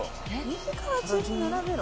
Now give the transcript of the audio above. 右から順に並べろ？